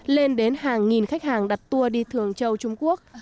lên đến hàng nghìn khách hàng đặt tour đi thường châu trung quốc